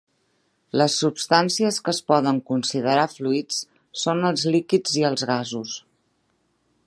Les substàncies que es poden considerar fluids són els líquids i els gasos.